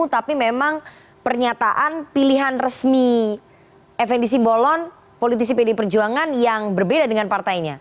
tapi memang pernyataan pilihan resmi fnd simbolon politisi pd perjuangan yang berbeda dengan partainya